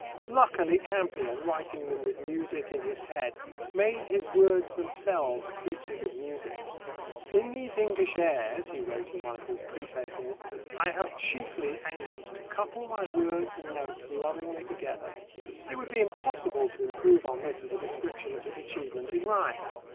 Luckily, Campion, writing them with music in his head, made his words themselves creatures of music. "In these English airs," he wrote in one of his prefaces, "I have chiefly aimed to couple my words and notes lovingly together." It would be impossible to improve on this as a description of his achievement in rhyme.